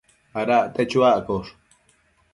Ada acte chuaccosh